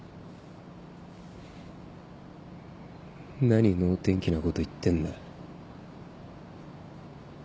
何能天気なこと言ってんだ。